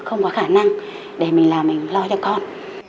không có khả năng để mình làm mình loi cho con